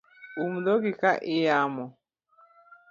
Umdhogi ka iyamo